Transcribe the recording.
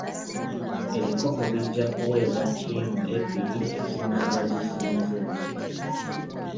Ebikopo bijja kuweebwa ttiimu ebbiri ezinaaba zisinze.